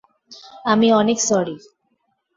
আমি অনেক সরি!